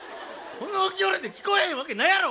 この距離で聞こえへんわけないやろ！